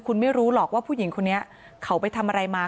คุณไม่รู้หรอกว่าผู้หญิงคนนี้เขาไปทำอะไรมา